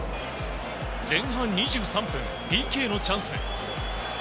前半２３分、ＰＫのチャンス。